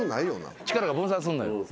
力が分散すんのよ。